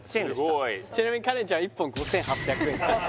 すごいちなみにカレンちゃんは１本５８００円